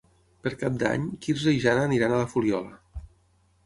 Per Cap d'Any en Quirze i na Jana iran a la Fuliola.